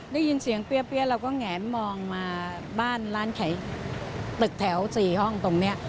ได้ยินเสียงเปี้ยเราก็แหงมองมาบ้านร้านขายตึกแถว๔ห้องตรงนี้